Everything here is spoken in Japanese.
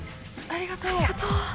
ありがとう。